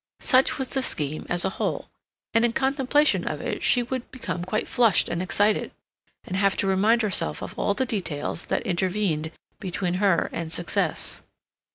Such was the scheme as a whole; and in contemplation of it she would become quite flushed and excited, and have to remind herself of all the details that intervened between her and success.